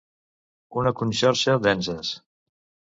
Una conxorxa d'enzes